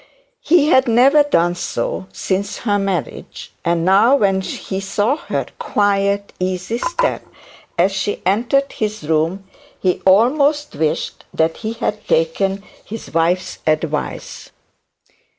He had never done so since her marriage; and now, when he saw her quiet easy step, as she entered the room, he almost wished he had taken his wife's advice.